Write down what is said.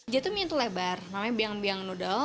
dia tuh mie itu lebar namanya biang biang noodle